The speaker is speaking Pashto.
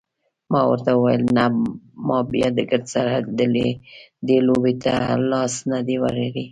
ما ورته وویل نه ما بیا ګردسره دې لوبې ته لاس نه دی وروړی.